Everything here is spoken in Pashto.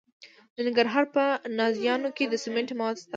د ننګرهار په نازیانو کې د سمنټو مواد شته.